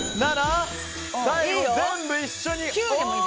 最後、全部一緒に。